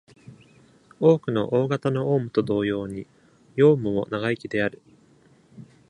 多くの大型のオウムと同様に、ヨウムも長生きである。